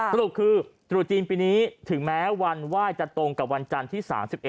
สรุปคือตรุษจีนปีนี้ถึงแม้วันไหว้จะตรงกับวันจันทร์ที่๓๑